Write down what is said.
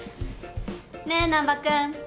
ねっ難破君！